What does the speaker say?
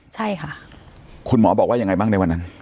ใช่ค่ะคุณหมอบอกว่ายังไงบ้างในวันนั้น